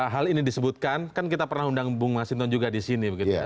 hal ini disebutkan kan kita pernah undang bung masinton juga di sini begitu ya